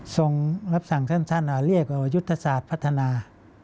ส่งรับสั่งท่านเรียกว่ายุทธศาสตร์พัฒนา